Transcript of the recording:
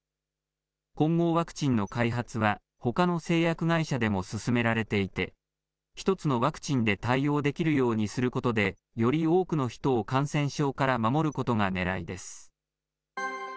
混合ワクチンの開発は、ほかの製薬会社でも進められていて、１つのワクチンで対応できるようにすることで、より多くの人を感染症から守ることがねらいです。